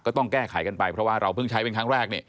ก็ต้องแก้ไขกันไปเพราะว่าเราเพิ่งใช้เป็นครั้งแรกนี่